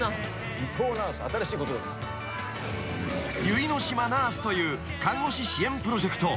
［結の島ナースという看護師支援プロジェクト］